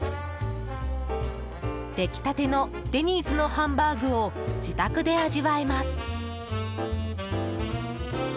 出来たてのデニーズのハンバーグを自宅で味わえます。